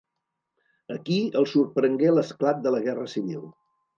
Aquí el sorprengué l'esclat de la guerra civil.